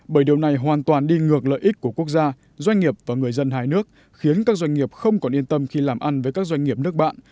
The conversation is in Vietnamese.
bởi điều này hoàn toàn đi ngược lợi ích của quốc gia doanh nghiệp và người dân hai nước khiến các doanh nghiệp không còn yên tâm khi làm ăn với các doanh nghiệp nước bạn